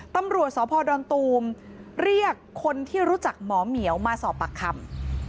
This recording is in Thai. ตำรวจสพดอนตูมเรียกคนที่รู้จักหมอเหมียวมาสอบปากคำ